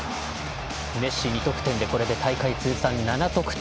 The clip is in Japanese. メッシ２得点で大会通算７得点。